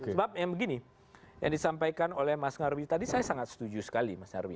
sebab yang begini yang disampaikan oleh mas ngarwi tadi saya sangat setuju sekali mas nyarwi